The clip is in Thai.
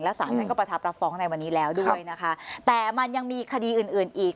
สารท่านก็ประทับรับฟ้องในวันนี้แล้วด้วยนะคะแต่มันยังมีคดีอื่นอื่นอีก